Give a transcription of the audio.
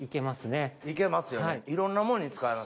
いけますよね。